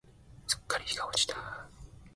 すっかり日が落ちた。